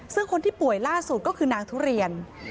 ซึ่งคนที่ป่วยล่าสุดก็คือนางทุเรียน